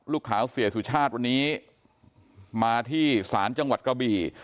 ลูกสาวเสียสุชาติวันนี้มาที่ศาลจังหวัดกระบี่